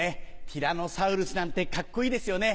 ティラノサウルスなんてカッコいいですよね。